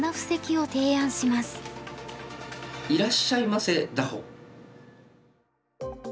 「いらっしゃいませ打法」？